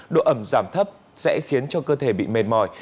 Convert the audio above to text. độ ẩm giảm thấp sẽ khiến cho cơ thể bị mệt mỏi